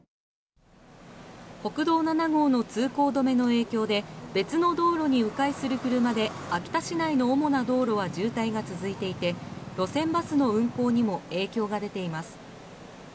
国道７号の通行止めの影響で別の道路に迂回する車で秋田市内の主な道路は渋滞が続いていて路線バスの運行にも影響が出ています。